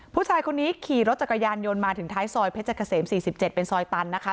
ผู้ชายคนนี้ขี่รถจักรยานยนต์มาถึงท้ายซอยเพชรเกษม๔๗เป็นซอยตันนะคะ